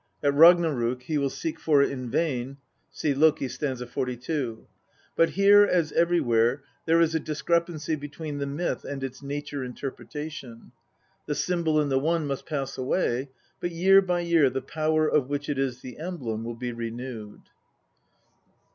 At Ragnarok he will seek for it in vain (see Lok., st. 42). But here, as everywhere, there is a discrepancy between the myth and its nature interpretation ; the symbol in the one must pass away, but year by year the power of which it is the emblem will be renewed.